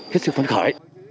cái sự phấn khởi